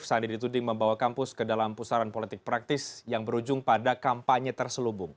sandi dituding membawa kampus ke dalam pusaran politik praktis yang berujung pada kampanye terselubung